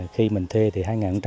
khi mình thuê thì hai nghìn chín